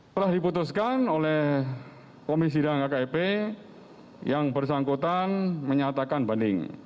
telah diputuskan oleh komisi dan kkip yang bersangkutan menyatakan banding